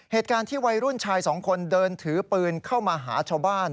เหตุการณ์ที่วัยรุ่นชายสองคนเดินถือปืนเข้ามาหาชาวบ้าน